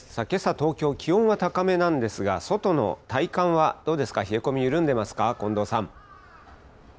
けさ、東京、気温は高めなんですが、外の体感はどうですか、冷え込み、緩んでますか、近藤さん。